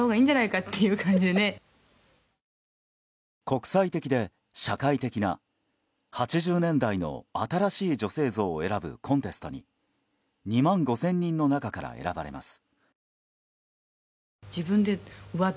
国際的で社会的な８０年代の新しい女性像を選ぶコンテストに２万５０００人の中から選ばれます。